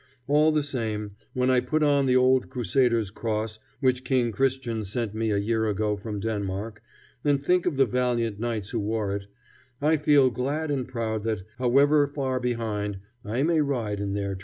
All the same, when I put on the old crusader's cross which King Christian sent me a year ago from Denmark, and think of the valiant knights who wore it, I feel glad and proud that, however far behind, I may ride in their train.